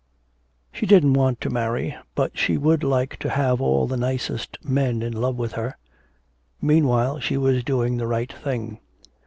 She didn't want to marry, but she would like to have all the nicest men in love with her.... Meanwhile she was doing the right thing.